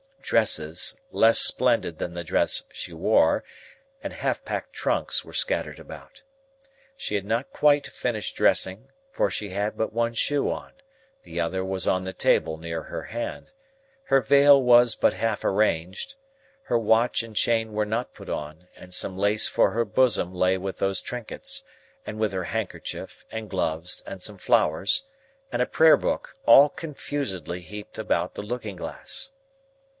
Dresses, less splendid than the dress she wore, and half packed trunks, were scattered about. She had not quite finished dressing, for she had but one shoe on,—the other was on the table near her hand,—her veil was but half arranged, her watch and chain were not put on, and some lace for her bosom lay with those trinkets, and with her handkerchief, and gloves, and some flowers, and a Prayer Book all confusedly heaped about the looking glass.